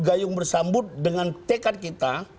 gayung bersambut dengan tekad kita